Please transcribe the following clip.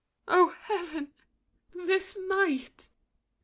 Oh, heaven! this night!